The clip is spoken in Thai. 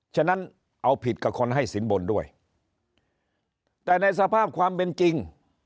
ฉะนั้นเอาผิดกับคนให้สินบนด้วยแต่ในสภาพความเป็นจริง